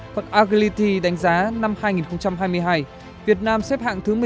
phần agility đánh giá năm hai nghìn hai mươi hai việt nam xếp hạng thứ một mươi một